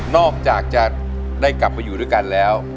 อกจากจะได้กลับมาอยู่ด้วยกันแล้ว